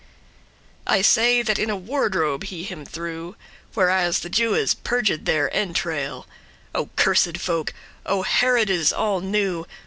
I say that in a wardrobe* he him threw, *privy Where as the Jewes purged their entrail. O cursed folk! O Herodes all new!